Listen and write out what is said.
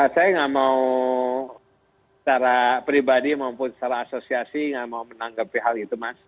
saya nggak mau secara pribadi maupun secara asosiasi nggak mau menanggapi hal itu mas